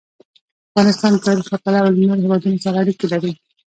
افغانستان د تاریخ له پلوه له نورو هېوادونو سره اړیکې لري.